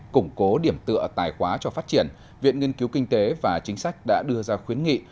củng cố điểm tựa tài khoá cho phát triển viện nghiên cứu kinh tế và chính sách đã đưa ra khuyến nghị